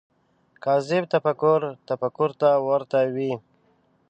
کاذب تفکر تفکر ته ورته وي